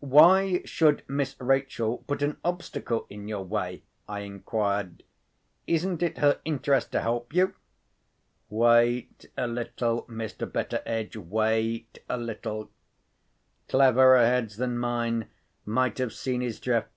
"Why should Miss Rachel put an obstacle in your way?" I inquired. "Isn't it her interest to help you?" "Wait a little, Mr. Betteredge—wait a little." Cleverer heads than mine might have seen his drift.